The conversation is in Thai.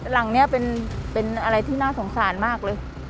หลังนี้เป็นอะไรที่น่าสงสารมากเลย